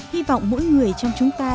hy vọng mỗi người trong chúng ta